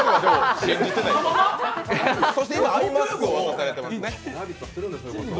そして今、アイマスクを渡されていますね。